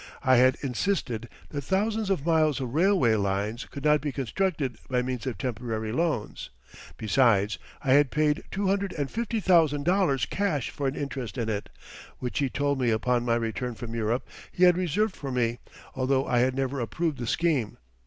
I had insisted that thousands of miles of railway lines could not be constructed by means of temporary loans. Besides, I had paid two hundred and fifty thousand dollars cash for an interest in it, which he told me upon my return from Europe he had reserved for me, although I had never approved the scheme.